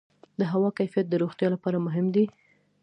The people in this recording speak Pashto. د هوا کیفیت د روغتیا لپاره مهم دی.